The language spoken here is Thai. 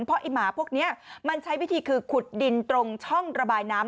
เพราะไอ้หมาพวกนี้มันใช้วิธีคือขุดดินตรงช่องระบายน้ำ